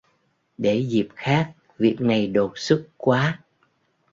Để dịp khác việc này đột xuất quá